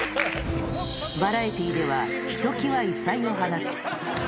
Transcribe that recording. バラエティーではひときわ異彩を放つ。